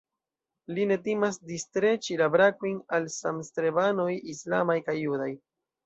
Li ne timas disstreĉi la brakojn al samstrebanoj islamaj kaj judaj.